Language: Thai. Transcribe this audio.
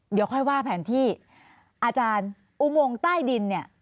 เดี๋ยวค่อยว่าแผนที่อาจารย์อุโมงใต้ดินเนี่ย